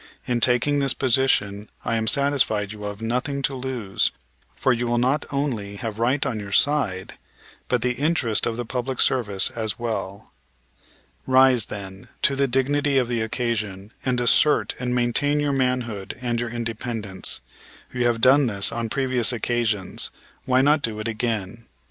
In taking this position I am satisfied you will have nothing to lose, for you will not only have right on your side, but the interest of the public service as well. Rise, then, to the dignity of the occasion and assert and maintain your manhood and your independence. You have done this on previous occasions, why not do it again?